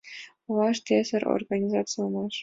Олаште эсер организаций улмаш.